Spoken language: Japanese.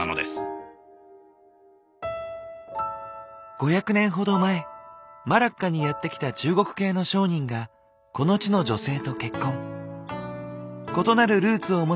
５００年ほど前マラッカにやって来た中国系の商人がこの地の女性と結婚。